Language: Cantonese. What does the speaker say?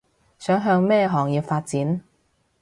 想向咩行業發展